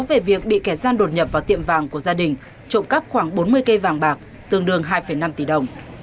về việc bị kẻ gian đột nhập vào tiệm vàng của gia đình trộm cắp khoảng bốn mươi cây vàng bạc tương đương hai năm tỷ đồng